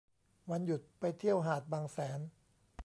วันหยุดไปเที่ยวหาดบางแสน